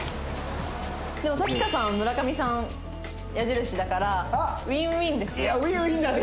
でもさちかさんは村上さん矢印だからウィンウィンですね。